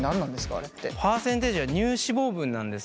あれって。